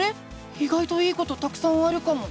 いがいといいことたくさんあるかも！